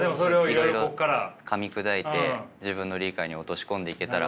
いろいろかみ砕いて自分の理解に落とし込んでいけたら。